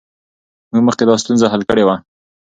موږ مخکې دا ستونزه حل کړې وه.